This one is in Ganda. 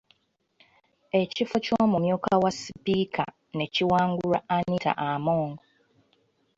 Ekifo ky’omumyuka wa sipiika ne kiwangulwa Anita Among.